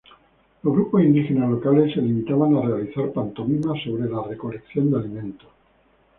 Los grupos indígenas locales se limitaban a realizar pantomimas sobre la recolección de alimentos.